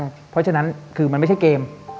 เพราะฉะนั้นคือมันไม่ใช่เกม